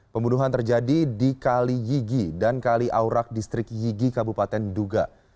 pembunuhan terjadi di kali yigi dan kali aurak distrik yigi kabupaten duga